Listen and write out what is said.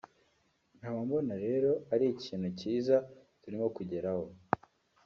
nkaba mbona rero ari ikintu kiza turimo kugeraho